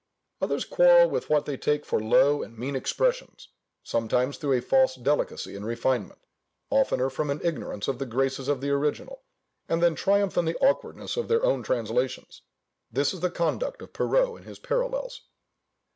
Others quarrel with what they take for low and mean expressions, sometimes through a false delicacy and refinement, oftener from an ignorance of the graces of the original, and then triumph in the awkwardness of their own translations: this is the conduct of Perrault in his Parallels.